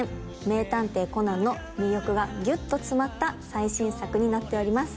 『名探偵コナン』の魅力がギュっと詰まった最新作になっております。